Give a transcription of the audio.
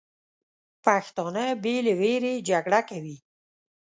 پښتانه بې له ویرې جګړه کوي.